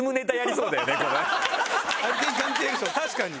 確かに。